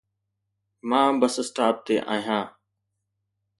مان bus stop تي آهيان.